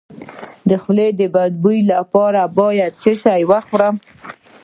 د خولې د بد بوی لپاره باید څه شی وخورم؟